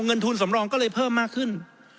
เงินทุนสำรองก็เลยเพิ่มมากขึ้น